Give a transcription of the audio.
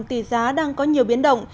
tỷ giá đang có nhiều biến động